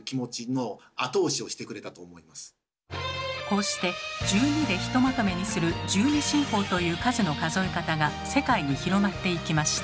こうして１２でひとまとめにする「１２進法」という数の数え方が世界に広まっていきました。